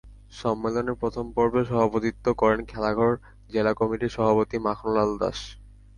সম্মেলনের প্রথম পর্বে সভাপতিত্ব করেন খেলাঘর জেলা কমিটির সভাপতি মাখন লাল দাস।